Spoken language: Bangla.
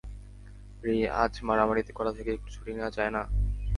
রেই, আজ মারামারি করা থেকে একটু ছুটি নেয়া যায় না?